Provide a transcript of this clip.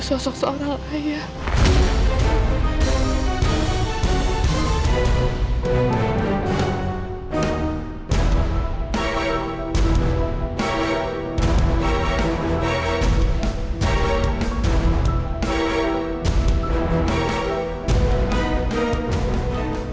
ya udah sampai dahulu